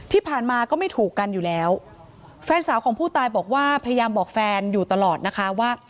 ที่ผ่านมาก็ไม่ถูกกันอยู่แล้วแฟนสาวของผู้ตายบอกว่าพยายามบอกแฟนอยู่ตลอดนะคะว่า